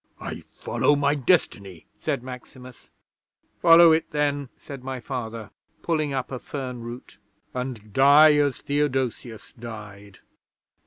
'"I follow my destiny," said Maximus. '"Follow it, then," said my Father, pulling up a fern root; "and die as Theodosius died."